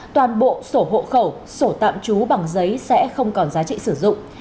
toàn bộ sổ hộ khẩu sổ tạm trú bằng giấy sẽ không còn giá trị sử dụng